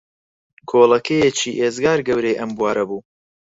کۆڵەکەیەکی ئێجگار گەورەی ئەم بوارە بوو